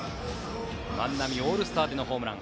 万波、オールスターでのホームラン。